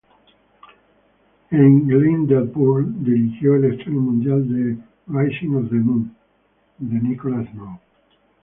En Glyndebourne, dirigió el estreno mundial de Rising of the Moon de Nicholas Maw".